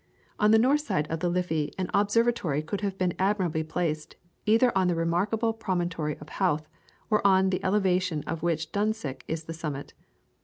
On the north side of the Liffey an Observatory could have been admirably placed, either on the remarkable promontory of Howth or on the elevation of which Dunsink is the summit.